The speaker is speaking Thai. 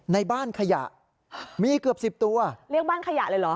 ในบ้านขยะมีเกือบสิบตัวเรียกบ้านขยะเลยเหรอ